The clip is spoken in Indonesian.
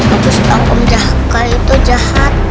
aku setau om jaka itu jahat